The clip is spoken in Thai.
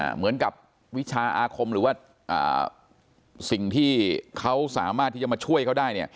เหมือนกับวิชาอาคมหรือว่าสิ่งที่เขาสามารถที่จะมาช่วยเขาได้